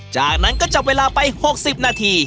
จากนั้นก็จับเวลาไป๖๐นาที